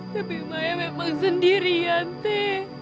tapi maya memang sendirian teh